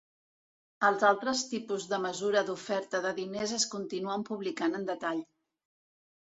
Els altres tipus de mesura d'oferta de diners es continuen publicant en detall.